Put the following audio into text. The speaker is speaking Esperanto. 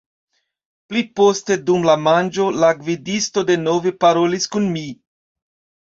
Pli poste, dum la manĝo, la gvidisto denove parolis kun mi.